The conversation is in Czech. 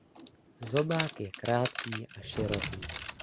Zobák je krátký a široký.